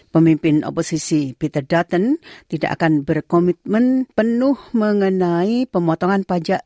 pemimpin oposisi peter dutton tidak akan berkomitmen penuh mengenai pemotongan pajak